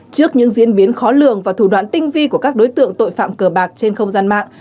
trước những diễn biến khó lường và thủ đoạn tinh vi của các đối tượng tội phạm cờ bạc trên không gian mạng